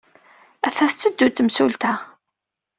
Attan tetteddu-d temsulta!